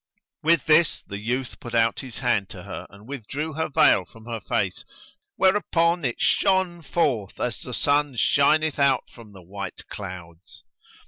With this the youth put out his hand to her and withdrew her veil from her face, whereupon it shone forth as the sun shineth out from the white clouds.